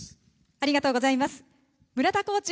ありがとうございます。